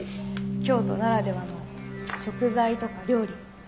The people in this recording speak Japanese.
京都ならではの食材とか料理地